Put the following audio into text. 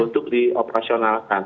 untuk di operasionalkan